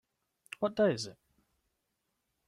What day is it?